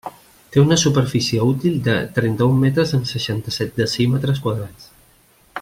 Té una superfície útil de trenta-un metres amb seixanta-set decímetres quadrats.